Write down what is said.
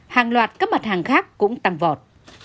hàng loạt các mặt hàng khác cũng tăng vọt